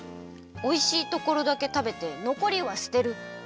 おいしいところだけたべてのこりは捨てる。